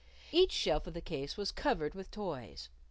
Each shelf of the case was covered with toys.